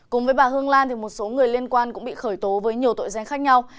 cùng với bà hương lan một số người liên quan cũng bị khởi tố với nhiều tội danh khác nhau